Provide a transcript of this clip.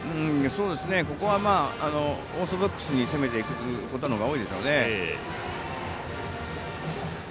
ここはオーソドックスに攻めていくことの方が多いでしょうね。